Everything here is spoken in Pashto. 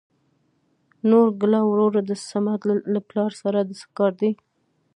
نورګله وروره د سمد له پلار سره د څه کار دى ؟